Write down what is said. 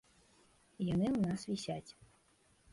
Яны ў нас вісяць.